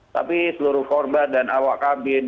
tapi seluruh korban dan awak kabin